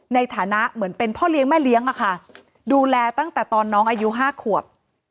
ในฐานะเหมือนเป็นพ่อเลี้ยงแม่เลี้ยงอะค่ะดูแลตั้งแต่ตอนน้องอายุ๕ขวบ